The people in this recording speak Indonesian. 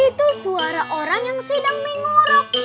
itu suara orang yang sedang menyuruh